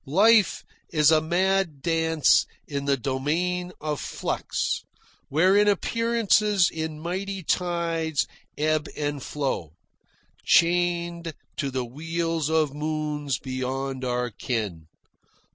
Life is a mad dance in the domain of flux, wherein appearances in mighty tides ebb and flow, chained to the wheels of moons beyond our ken.